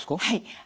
はい。